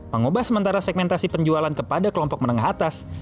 mengubah sementara segmentasi penjualan kepada kelompok menengah atas